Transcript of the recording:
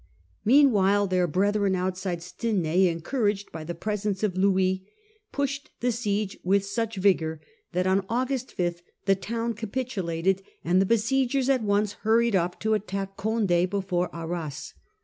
Meantime their brethren outside Stenai, encouraged by the presence of Louis, pushed the siege with such vigour that on August 5 the town capitulated ; and the besiegers at once hurried off to attack Condd before Arras.